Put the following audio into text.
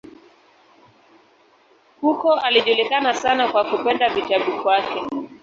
Huko alijulikana sana kwa kupenda vitabu kwake.